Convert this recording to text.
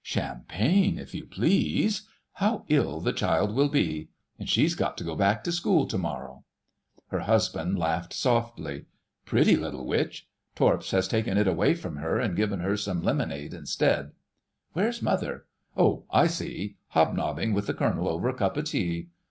Champagne, if you please! How ill the child will be; and she's got to go back to school to morrow...." Her husband laughed softly. "Pretty little witch.... Torps has taken it away from her and given her some lemonade instead. Where's Mother?—Oh, I see: hobnobbing with the Colonel over a cup of tea.